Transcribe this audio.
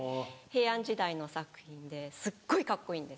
平安時代の作品ですっごいカッコいいんです。